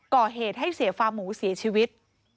ก่อเหตุให้เสียฟาร์หมูเสียชีวิต